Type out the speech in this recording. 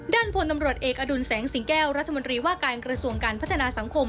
พลตำรวจเอกอดุลแสงสิงแก้วรัฐมนตรีว่าการกระทรวงการพัฒนาสังคม